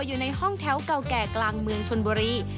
อยู่ในห้องแถวเก่าแก่กลางเมืองชนบุรี